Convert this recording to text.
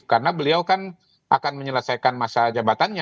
karena beliau kan akan menyelesaikan masa jabatannya